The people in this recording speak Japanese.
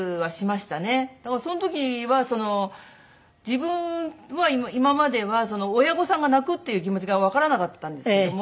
その時は自分は今までは親御さんが泣くっていう気持ちがわからなかったんですけども。